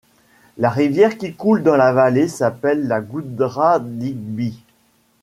La rivière qui coule dans la vallée s'appelle la Goodradigbee.